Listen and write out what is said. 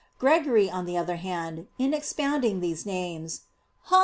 Gregory, on the other hand, in expounding these names (Hom.